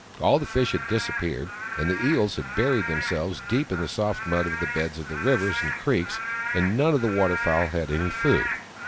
All the fish had disappeared, and the eels had buried themselves deep in the soft mud of the beds of the rivers and creeks, and none of the water fowl had any food.